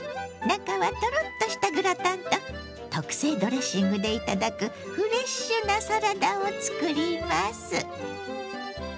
中はトロッとしたグラタンと特製ドレッシングで頂くフレッシュなサラダを作ります。